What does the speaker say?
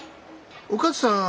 お勝さん